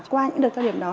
qua những đợt cao điểm đó